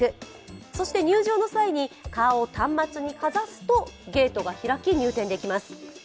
そして入場の際に顔を端末にかざすとゲートが開き入店できます。